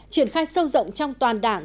triển khai sâu rộng trong toàn đảng